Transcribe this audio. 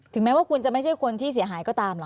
แม้ว่าคุณจะไม่ใช่คนที่เสียหายก็ตามหรอ